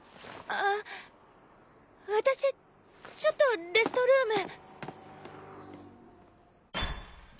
あ私ちょっとレストルーム。